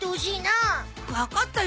わかったよ